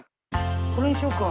これにしようか。